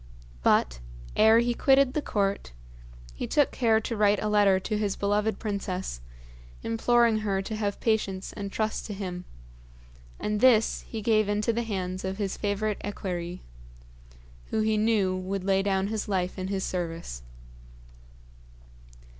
But, ere he quitted the court, he took care to write a letter to his beloved princess, imploring her to have patience and trust to him; and this he gave into the hands of his favourite equerry, who would he knew lay down his life in his service.